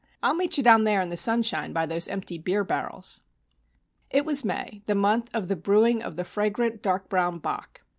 I'll meet you down there in the sunshine by those empty beer barrels." It was May, the month of the brewing of the fragrant dark brown Bock.